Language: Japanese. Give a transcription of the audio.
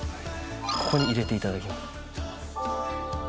ここに入れて頂きます。